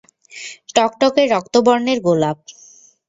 টকটকে রক্তবর্ণের গোলাপ।